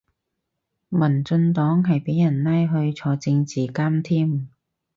民進黨係俾人拉去坐政治監添